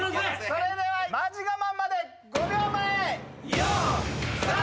それではマジガマンまで５秒前。